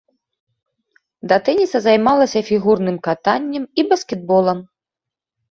Да тэніса займалася фігурным катаннем і баскетболам.